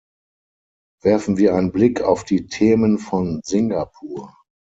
Werfen wir einen Blick auf die Themen von Singapur.